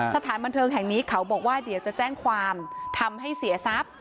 สถานบันเทิงแห่งนี้เขาบอกว่าเดี๋ยวจะแจ้งความทำให้เสียทรัพย์